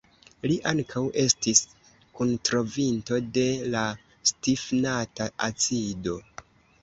Li ankaŭ estis kuntrovinto de la "stifnata acido".